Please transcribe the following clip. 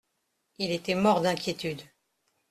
Il était mort d’inquiétude.